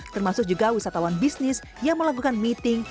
termasuk juga wisatawan bisnis yang melakukan meeting